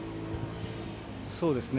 そうですね。